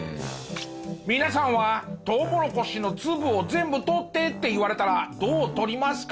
皆さんは「トウモロコシの粒を全部取って」って言われたらどう取りますか？